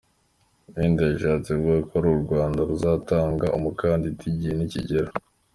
Wenda yashatse kuvuga ko ari u Rwanda ruzatanga umukandida igihe nikigera.